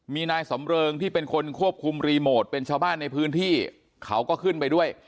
มีนายสำเริงที่เป็นคนควบคุมรีโมทเป็นชาวบ้านในพื้นที่เขาก็ขึ้นไปด้วย